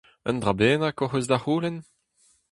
Un dra bennak hoc'h eus da c'houlenn ?